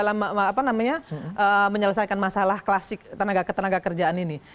kita nggak bisa sincalah bipo dalam menyelesaikan masalah klasik tenaga tenaga kerjaan ini